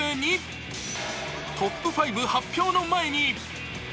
トップ５発表の前に。